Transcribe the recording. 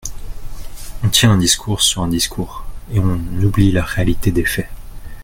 On tient un discours sur un discours et on oublie la réalité des faits.